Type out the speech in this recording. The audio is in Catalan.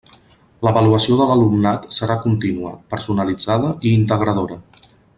L'avaluació de l'alumnat serà contínua, personalitzada i integradora.